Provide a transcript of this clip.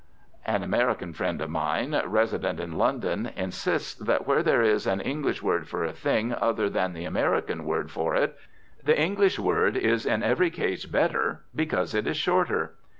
An American friend of mine, resident in London, insists that where there is an English word for a thing other than the American word for it, the English word is in every case better because it is shorter.